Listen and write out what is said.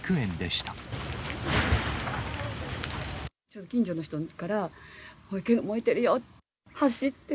ちょっと近所の人から、保育園が燃えてるよって。